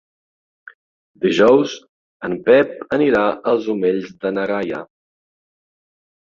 Dijous en Pep anirà als Omells de na Gaia.